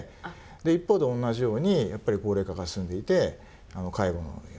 一方で同じようにやっぱり高齢化が進んでいて介護の。